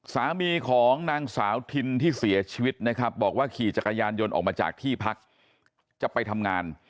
สามีของนางสาวทินที่เสียชีวิตนะครับบอกว่าขี่จักรยานยนต์ออกมาจากที่พักจะไปทำงาน